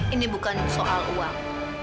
ini bukan soal uang